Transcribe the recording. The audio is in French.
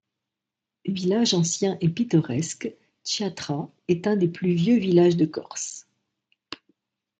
Village ancien et pittoresque, Chiatra est un des plus vieux villages de Corse.